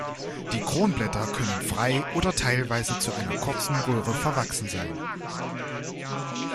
Die Kronblätter können frei oder teilweise zu einer kurzen Röhre verwachsen sein.